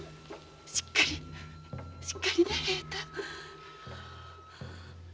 〔しっかりしっかりね平太〕